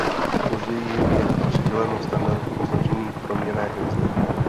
Později jim je přiděleno standardní označení proměnné hvězdy.